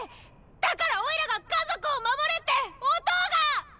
だからオイラが家族を守れってお父がっ！